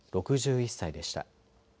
６１歳でした。